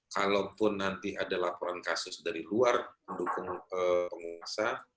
kalaupun nanti ada laporan kasus dari luar pendukung penguasa